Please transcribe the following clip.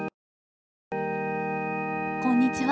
こんにちは。